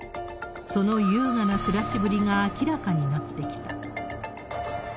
その優雅な暮らしぶりが明らかになってきた。